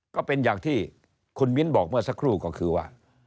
ก็เป็นอย่างที่คุณมิ้นบอกเมื่อสักครู่ก็คือว่า